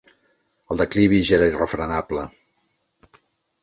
El declivi ja era irrefrenable.